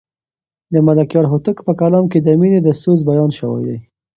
د ملکیار هوتک په کلام کې د مینې د سوز بیان شوی دی.